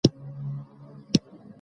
مزارشریف د افغانستان د بڼوالۍ برخه ده.